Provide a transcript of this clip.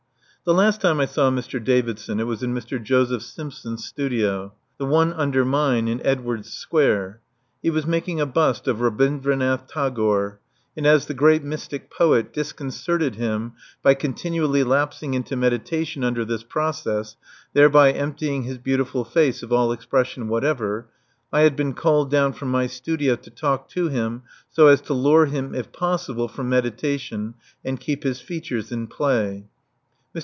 The last time I saw Mr. Davidson it was in Mr. Joseph Simpson's studio, the one under mine in Edwardes Square. He was making a bust of Rabindranath Tagore; and as the great mystic poet disconcerted him by continually lapsing into meditation under this process, thereby emptying his beautiful face of all expression whatever, I had been called down from my studio to talk to him, so as to lure him, if possible, from meditation and keep his features in play. Mr.